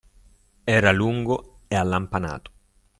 Era lungo e allampanato.